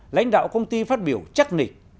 lãnh đạo công ty phát biểu chắc nịch